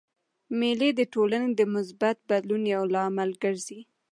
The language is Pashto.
مېلې د ټولني د مثبت بدلون یو لامل ګرځي.